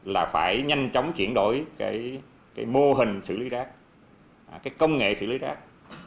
là phải nhanh chóng chuyển đổi cái mô hình xử lý rác cái công nghệ xử lý rác